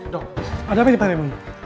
dok ada apa di pariwini